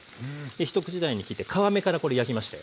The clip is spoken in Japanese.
一口大に切って皮目からこれ焼きましたよ。